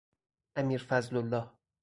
امیرفضلالله